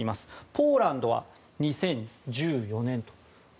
ポーランドは２０１４年と。